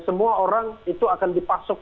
semua orang itu akan dipasok